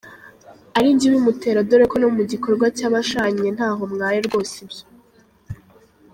arijye ubimutera dore ko no mu gikorwa cy’abashanye ntaho mwaye rwose ibyo.